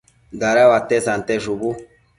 dada uate sante shubu